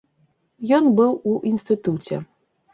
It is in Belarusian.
Ён быў у інстытуце.